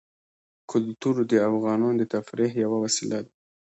کلتور د افغانانو د تفریح یوه وسیله ده.